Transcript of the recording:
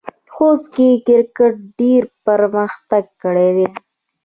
خوست کې کرکټ ډېر پرمختګ کړی دی.